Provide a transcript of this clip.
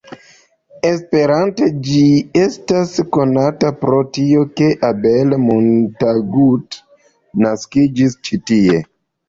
Esperante, ĝi estas konata pro tio, ke Abel Montagut naskiĝis ĉi tie.